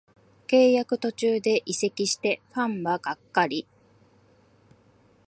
契約途中で移籍してファンはがっかり